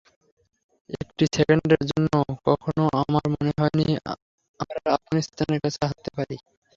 একটি সেকেন্ডের জন্যও কখনো আমার মনে হয়নি, আমরা আফগানিস্তানের কাছে হারতে পারি।